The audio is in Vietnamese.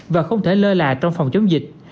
và không thể lơ lạ trong phòng chống dịch